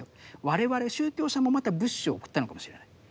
我々宗教者もまた物資を送ったのかもしれない。